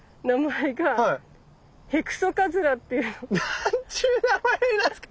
なんちゅう名前なんすか。